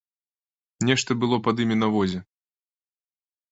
Нешта было пад імі на возе.